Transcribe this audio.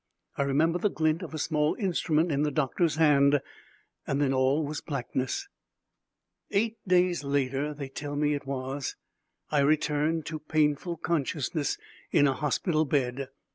I remember the glint of a small instrument in the doctor's hand. Then all was blackness. Eight days later, they tell me it was, I returned to painful consciousness in a hospital bed.